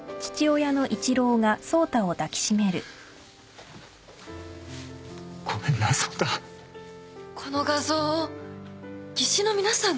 この画像を技師の皆さんが？